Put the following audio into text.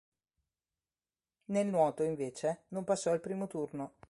Nel nuoto, invece, non passò il primo turno.